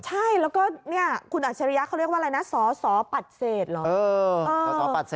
ใช่แล้วก็คุณอาชริยะเขาเรียกว่าอะไรนะสสปัตต์เศษเหรอ